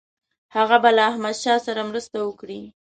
هغه به له احمدشاه سره مرسته وکړي.